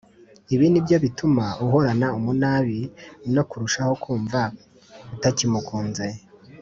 ibi nibyo bituma uhorana umunabi no kurushaho kumva utakimukunze.